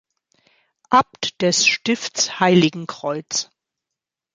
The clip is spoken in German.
Abt des Stiftes Heiligenkreuz.